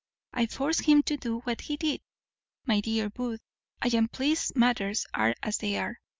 I forced him to do what he did. My dear Booth, I am pleased matters are as they are.